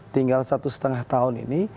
tinggal satu setengah tahun ini